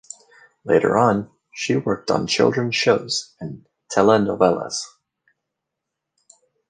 Later on, she worked on children's shows and telenovelas.